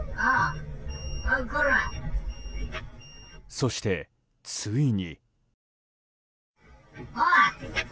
そして、ついに。